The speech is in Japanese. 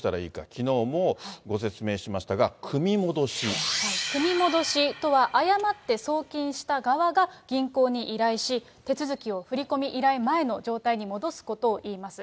きのうもご説明しましたが、組み組み戻しとは、誤って送金した側が、銀行に依頼し、手続きを振り込み依頼前の状態に戻すことをいいます。